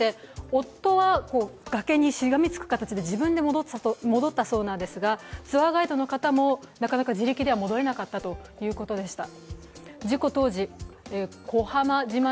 夫は崖にしがみつく形で自分で戻ったそうなんですがツアーガイドの方もなかなか自力では戻れなかったということでした。